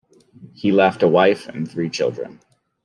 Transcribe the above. He left a wife and three children.